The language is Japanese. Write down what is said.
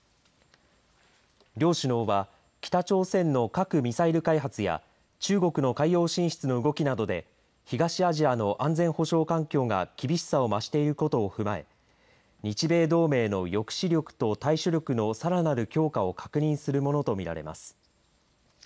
両首脳は北朝鮮の核・ミサイル開発や中国の海洋進出の動きなどで東アジアの安全保障環境が厳しさをましていることを踏まえ日米同盟の抑止力と対処力のさらなる強化を確認するものと見られます。